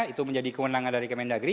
itu menjadi kemenangan dari kemenang negeri